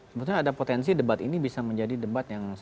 sebetulnya ada potensi debat ini bisa menjadi debat yang sangat